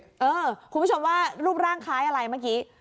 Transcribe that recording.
คุณผู้ชมว่ารูปร่างคล้ายอะไรเมื่อกี้